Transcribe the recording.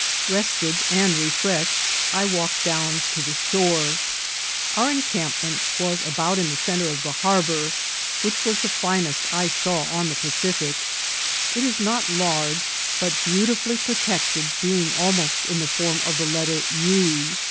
Eested and refreshed, I walked down to the sb<ve. Our encampment was about in the centre^ the barbouTi which was the finest I saw on the Padlfic. It is not large, but beautifully protected, being almost in the foixn of the letter U.